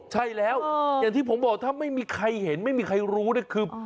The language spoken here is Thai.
ใช่แล้วอย่างที่ผมบอกถ้าไม่มีใครเห็นไม่มีใครรู้เนี่ยคือ